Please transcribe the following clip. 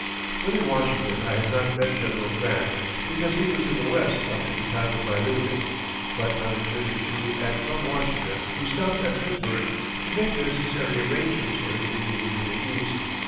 When in Washington I had not met General Grant, because he was in the West up to the time of my leaving, but on a journey to and from Washington he stopped at Pittsburgh to make the necessary arrangements for his removal to the East.